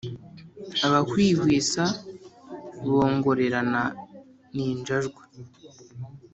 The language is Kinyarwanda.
Abahwihwisa bongorerana ninjajwa